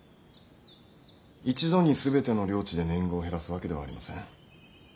一度に全ての領地で年貢を減らすわけではありません。